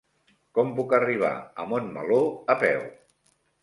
Com puc arribar a Montmeló a peu?